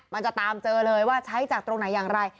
มันจะตามเจอเลยว่าใช้จากตรงไหนอย่างไร